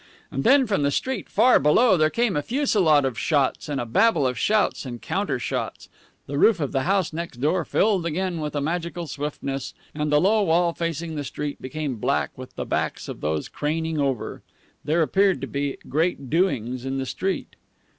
And then from the street far below there came a fusillade of shots and a babel of shouts and counter shouts. The roof of the house next door filled again with a magical swiftness, and the low wall facing the street became black with the backs of those craning over. There appeared to be great doings in the street.